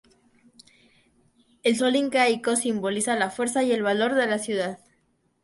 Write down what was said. El sol incaico simboliza la fuerza y el valor de la ciudad.